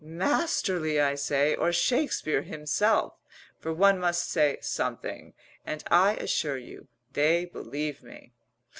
Masterly! I say, or Shakespeare himself! (for one must say something) and I assure you, they believe me."